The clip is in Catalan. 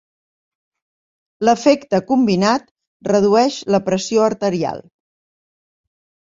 L'efecte combinat redueix la pressió arterial.